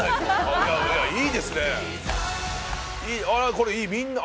これいいみんな。